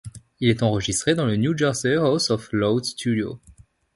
Il est enregistré dans le New's Jersey House of Loud Studio.